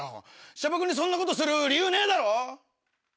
千葉君にそんなことする理由ねえだろ！